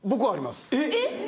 えっ！？